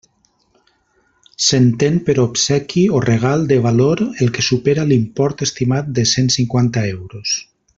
S'entén per obsequi o regal de valor el que supera l'import estimat de cent cinquanta euros.